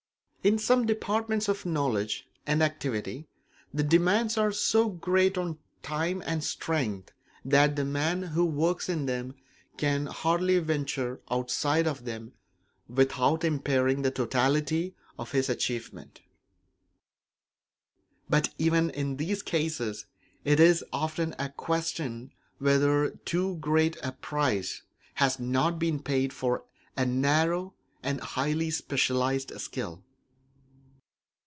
In some departments of knowledge and activity the demands are so great on time and strength that the man who works in them can hardly venture outside of them without impairing the totality of his achievement; but even in these cases it is often a question whether too great a price has not been paid for a narrow and highly specialised skill.